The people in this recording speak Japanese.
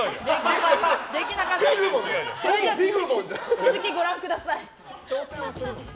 続き、ご覧ください。